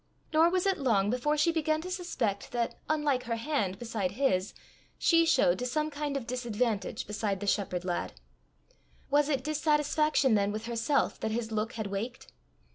Nor was it long before she began to suspect that, unlike her hand beside his, she showed to some kind of disadvantage beside the shepherd lad. Was it dissatisfaction then with herself that his look had waked?